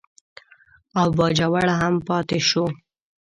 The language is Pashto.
او باجوړ هم پاتې شو.